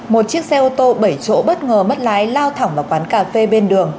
một chiếc xe ô tô bảy chỗ bất ngờ mất lái lao thẳng vào quán cà phê bên đường